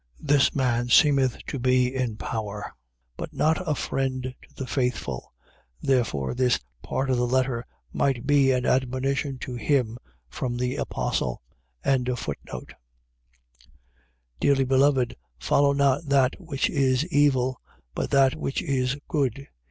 . .This man seemeth to be in power, but not a friend to the faithful; therefore this part of the letter might be an admonition to him from the apostle. 1:11. Dearly beloved, follow not that which is evil: but that which is good.